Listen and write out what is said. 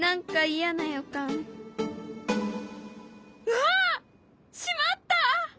うわっしまった！